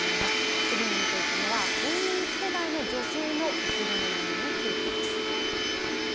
次に見ていくのは更年期世代の女性の薄毛の悩みについてです。